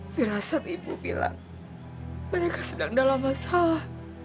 firasat ibu bilang mereka sedang dalam masalah